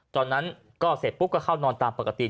ตอนนั้นก็เสร็จปุ๊บก็เข้านอนตามปกติ